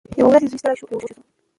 یوه ورځ زوی ستړی شو او بېهوښه شو.